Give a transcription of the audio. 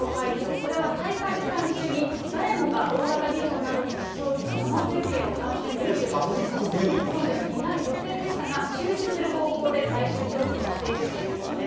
これは大会期間中に誰もが大型ビジョンなどによる競技の生中継をいわゆるパブリックビューイそうですね、になる予定でしたが、中止する方向で最終調整をしているということです。